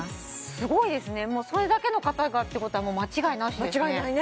すごいですねそれだけの方がってことはもう間違いなしですね間違いないね